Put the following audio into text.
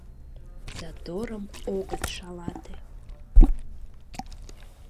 Заторым огыт шалате...